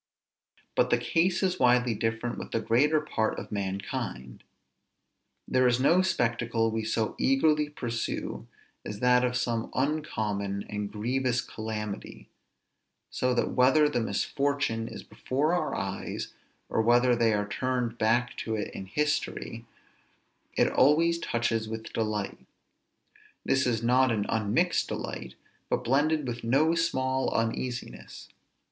But the case is widely different with the greater part of mankind; there is no spectacle we so eagerly pursue, as that of some uncommon and grievous calamity; so that whether the misfortune is before our eyes, or whether they are turned back to it in history, it always touches with delight. This is not an unmixed delight, but blended with no small uneasiness.